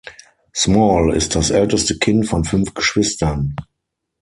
Small ist das älteste Kind von fünf Geschwistern.